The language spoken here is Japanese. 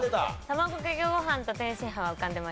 卵かけご飯と天津飯は浮かんでました。